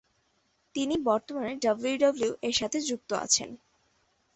তিনি বর্তমানে ডাব্লিউডাব্লিউই এর সাথে যুক্ত আছেন।